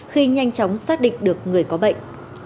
khi nhanh chóng xác định được người có bệnh